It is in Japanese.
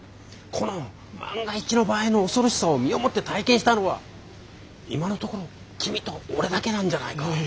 この万が一の場合の恐ろしさを身をもって体験したのは今のところ君と俺だけなんじゃないか。